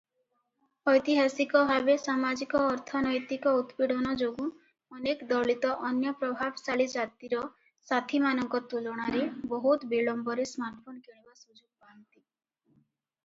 ଐତିହାସିକ ଭାବେ ସାମାଜିକ-ଅର୍ଥନୈତିକ ଉତ୍ପୀଡ଼ନ ଯୋଗୁଁ ଅନେକ ଦଳିତ ଅନ୍ୟ ପ୍ରଭାବଶାଳୀ ଜାତିର ସାଥୀମାନଙ୍କ ତୁଳନାରେ ବହୁତ ବିଳମ୍ବରେ ସ୍ମାର୍ଟଫୋନ କିଣିବା ସୁଯୋଗ ପାଆନ୍ତି ।